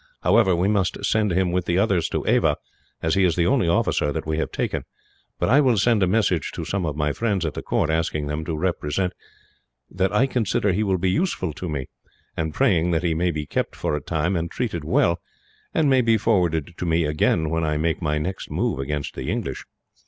However, we must send him with the others to Ava, as he is the only officer that we have taken; but I will send a message to some of my friends, at the court, asking them to represent that I consider he will be useful to me; and praying that he may be kept for a time and treated well, and may be forwarded to me, again, when I make my next move against the English."